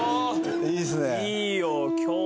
いいですね。